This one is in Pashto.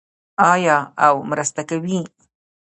آیا او مرسته کوي؟